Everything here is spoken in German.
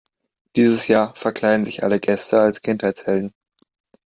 Dieses Jahr verkleiden sich alle Gäste als Kindheitshelden.